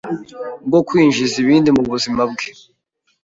bwo kwinjiza ibindi mu buzima bwe.